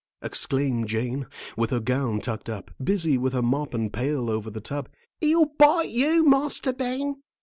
exclaimed Jane, with her gown tucked up, busy with her mop and pail over the tub, "he'll bite you, Master Ben."